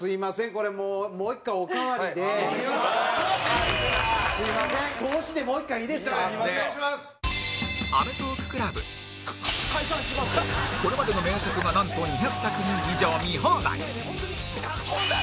これまでの名作がなんと２００作品以上見放題